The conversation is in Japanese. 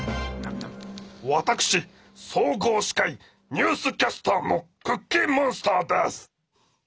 私総合司会ニュースキャスターのクッキーモンスターです。